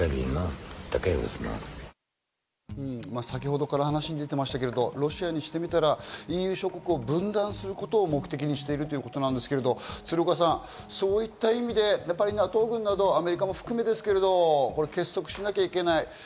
先ほどから話に出ていましたけどロシアにしてみたら、ＥＵ諸国を分断することを目的にしているということですけど鶴岡さん、そういった意味でＮＡＴＯ軍などアメリカも含めですけど、結束しなきゃいけない。